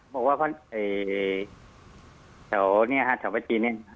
บอกว่าเขาเฉาเนี่ยเฉาประจีนเนี่ย